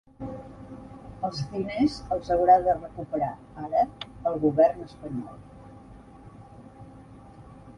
Els diners els haurà de recuperar, ara, el govern espanyol.